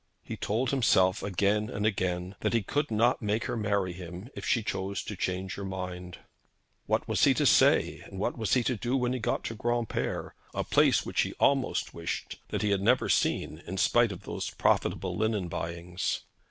He told himself again and again that he could not make her marry him if she chose to change her mind. What was he to say, and what was he to do when he got to Granpere, a place which he almost wished that he had never seen in spite of those profitable linen buyings?